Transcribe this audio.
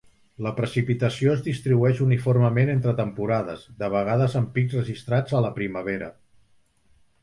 La precipitació es distribueix uniformement entre temporades, de vegades amb pics registrats a la primavera.